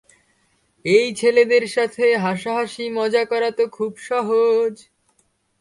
এই ছেলেদের সাথে হাসা-হাসি, মজা করা তো খুব সহজ।